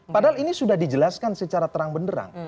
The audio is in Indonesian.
padahal ini sudah dijelaskan secara terang benderang